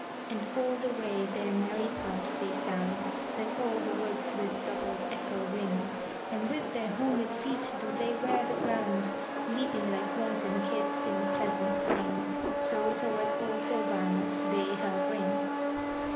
And all the way their merry pipes they sound, That all the woods with doubled echo ring; And with their horned feet do wear the ground. Leaping like wanton kids in pleasant Spring. So towards old Syl va'nus they her bring.